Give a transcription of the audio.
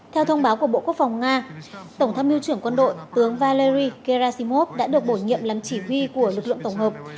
theo thông báo của bộ quốc phòng nga tổng tham mưu trưởng quân đội tướng valeri karashimov đã được bổ nhiệm làm chỉ huy của lực lượng tổng hợp